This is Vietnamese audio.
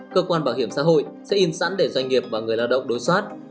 cơ quan bảo hiểm xã hội sẽ in sẵn để doanh nghiệp và người lao động đối soát